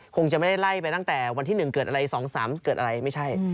คงจะไม่ได้ไล่ไปตั้งแต่วันที่๑เกิดอะไร๒๓เกิดอะไรไม่ใช่